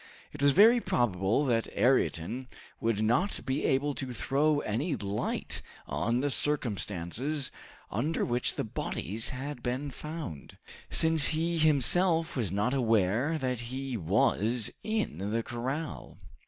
It was very probable that Ayrton would not be able to throw any light on the circumstances under which the bodies had been found, since he himself was not aware that he was in the corral.